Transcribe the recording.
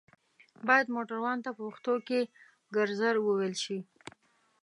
بايد موټروان ته په پښتو کې ګرځر ووئيل شي